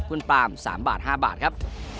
คุณปลาม๓บาท๕บาทครับ